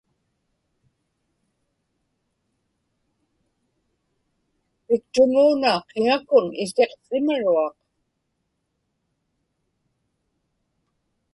piktumuuna qiŋakun isiqsimaruaq